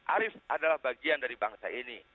arief adalah bagian dari bangsa ini